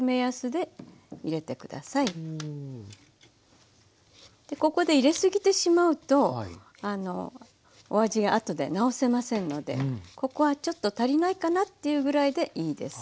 でここで入れ過ぎてしまうとお味が後で直せませんのでここはちょっと足りないかなっていうぐらいでいいです。